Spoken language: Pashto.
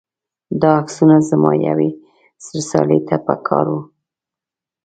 دا عکسونه زما یوې رسالې ته په کار و.